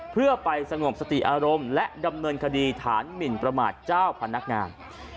เพื่อไปสงบสติอารมณ์และดำเนินคดีฐานหมินประมาทเจ้าพนักงาน